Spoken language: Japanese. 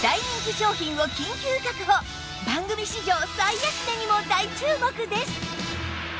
番組史上最安値にも大注目です！